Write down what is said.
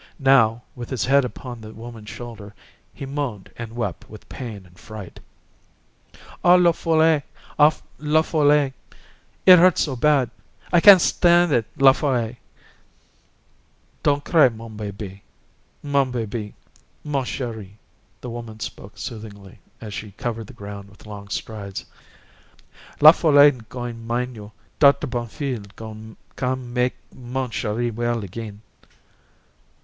Now, with his head upon the woman's shoulder, he moaned and wept with pain and fright. "Oh, La Folle! La Folle! it hurt so bad! I can' stan' it, La Folle!" "Don't cry, mon bébé, mon bébé, mon Chéri!" the woman spoke soothingly as she covered the ground with long strides. "La Folle goin' mine you; Doctor Bonfils goin' come make mon Chéri well agin."